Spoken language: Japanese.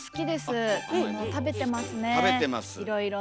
食べてますねいろいろと。